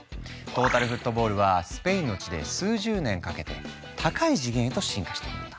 トータルフットボールはスペインの地で数十年かけて高い次元へと進化していくんだ。